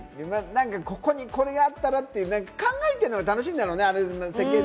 ここにこれがあったらって考えてるのが楽しいんだろうね。